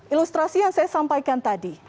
ilustrasi yang saya sampaikan tadi